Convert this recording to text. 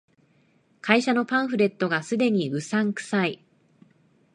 会社のパンフレットが既にうさんくさい